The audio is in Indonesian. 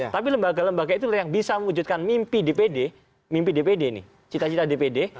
tapi lembaga lembaga itu yang bisa mewujudkan mimpi dpd mimpi dpd nih cita cita dpd